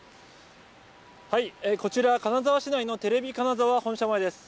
こちら、金沢市内のテレビ金沢本社前です。